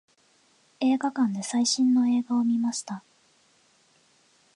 映画館で最新の映画を見ました。